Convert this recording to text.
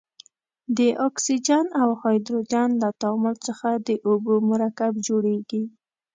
د اکسیجن او هایدروجن له تعامل څخه د اوبو مرکب جوړیږي.